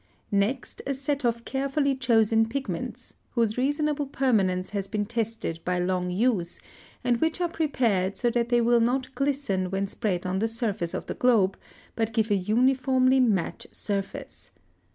Next a set of carefully chosen pigments, whose reasonable permanence has been tested by long use, and which are prepared so that they will not glisten when spread on the surface of the globe, but give a uniformly mat surface.